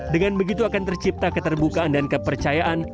dengan begitu akan tercipta keterbukaan dan kepercayaan